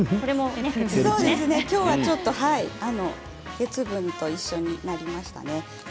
きょうは鉄分と一緒になりましたね。